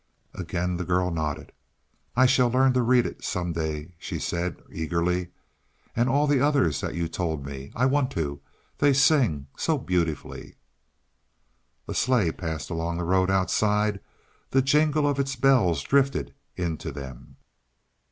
Again the girl nodded. "I shall learn to read it some day," she said eagerly. "And all the others that you told me. I want to. They sing so beautifully." A sleigh passed along the road outside; the jingle of its bells drifted in to them.